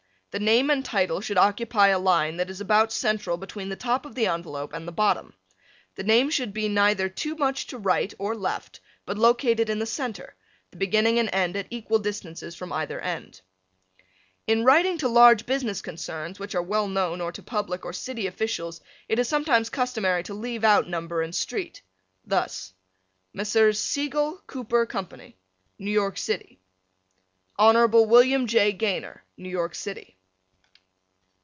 The name and title should occupy a line that is about central between the top of the envelope and the bottom. The name should neither be too much to right or left but located in the centre, the beginning and end at equal distances from either end. In writing to large business concerns which are well known or to public or city officials it is sometimes customary to leave out number and street. Thus, Messrs. Seigel, Cooper Co., New York City, Hon. William J. Gaynor, New York City.